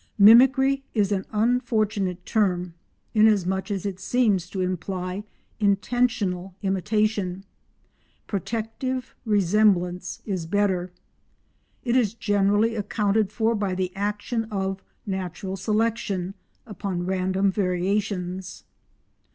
"Mimicry" is an unfortunate term inasmuch as it seems to imply intentional imitation; "protective resemblance" is better. It is generally accounted for by the action of "natural selection" upon random variations.